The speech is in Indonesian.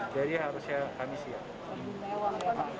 jadi harusnya kami siap